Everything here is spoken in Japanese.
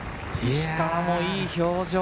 石川もいい表情。